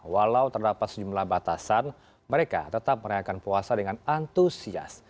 walau terdapat sejumlah batasan mereka tetap merayakan puasa dengan antusias